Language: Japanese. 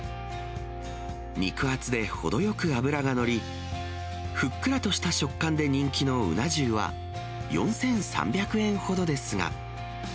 肉厚で程よく脂が乗り、ふっくらとした食感で人気のうな重は４３００円ほどですが。